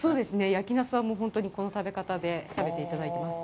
「やきなす」は、本当にこの食べ方で食べていただいてます。